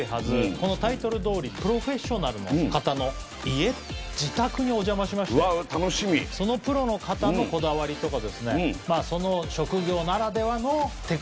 このタイトルどおりプロフェッショナルの方の家自宅におじゃましましてそのプロの方のこだわりとかその職業ならではのテクニック。